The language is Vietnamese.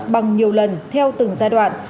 bằng nhiều lần theo từng giai đoạn